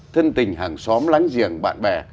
thân tình hàng xóm lánh giềng bạn bè